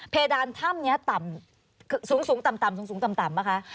เดนถ้ำนี้ต่ำสูงต่ำสูงต่ำป่ะคะ